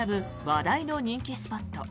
話題の人気スポット